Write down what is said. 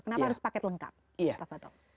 kenapa harus paket lengkap